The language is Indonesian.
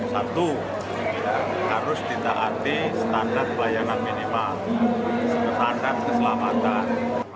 satu harus ditaati standar pelayanan minimal standar keselamatan